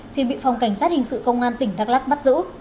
thì bị phòng cảnh sát hình sự công an tỉnh đắk lắc bắt giữ